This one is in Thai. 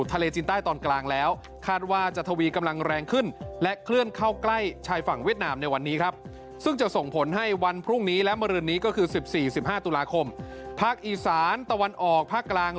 ๕ตุลาคมภาคอีสานตะวันออกภาคกลาง